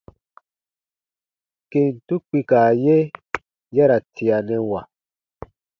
Kentu kpika ye ya ra tianɛwa.